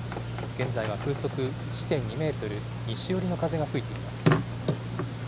現在は風速１．２メートル、西寄りの風が吹いています。